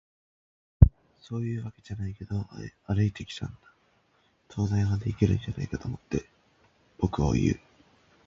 「そういうわけじゃないけど、歩いていたんだ。灯台までいけるんじゃないかって思って。」、僕は言う。